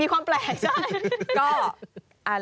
ความแปลกใช่